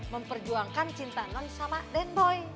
memperjuangkan cinta non sama stand boy